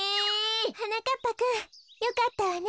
はなかっぱくんよかったわね。